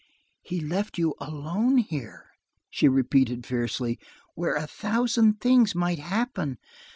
"He left you alone here!" she repeated fiercely. "Where a thousand things might happen.